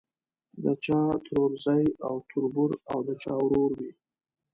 د چا ترورزی او تربور او د چا ورور وي.